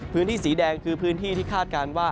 พื้นที่สีแดงคือพื้นที่ที่คาดการณ์ว่า